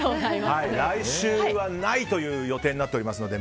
来週はない予定になっておりますので。